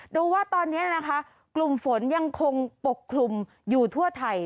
ดูว่าตอนนี้นะคะกลุ่มฝนยังคงปกคลุมอยู่ทั่วไทย